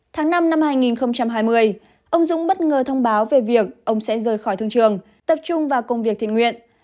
tháng năm năm hai nghìn hai mươi ông dũng bất ngờ thông báo về việc ông sẽ rời khỏi thương trường tập trung vào công việc thiện nguyện